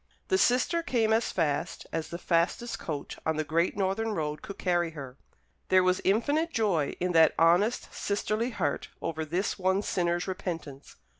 The sister came as fast as the fastest coach on the great northern road could carry her. There was infinite joy in that honest sisterly heart over this one sinner's repentance.